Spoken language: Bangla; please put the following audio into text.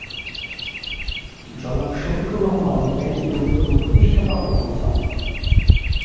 জনাব শফিকুর রহমান ব্যাংকটির অন্যতম প্রতিষ্ঠাতা ও পরিচালক।